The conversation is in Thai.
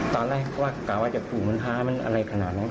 ตอนแรกเขากลับว่าจะปลูกมันฮะมันอะไรขนาดนั้น